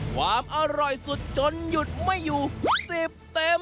ความอร่อยสุดจนหยุดไม่อยู่๑๐เต็ม